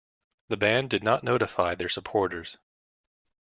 The band did not notify their supporters.